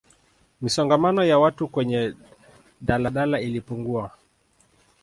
misongamano ya watu kwenye daladala ilipungua